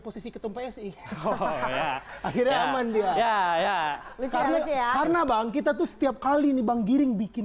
posisi ketum psi oh ya akhirnya ya ya ya karena bang kita tuh setiap kali nih bang giring bikin